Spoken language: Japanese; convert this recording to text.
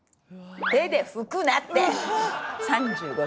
手で拭くなって！